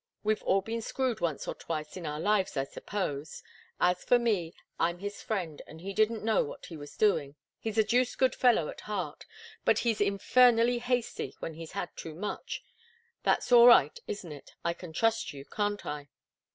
We've all been screwed once or twice in our lives, I suppose. As for me, I'm his friend, and he didn't know what he was doing. He's a deuced good fellow at heart, but he's infernally hasty when he's had too much. That's all right, isn't it? I can trust you, can't I?"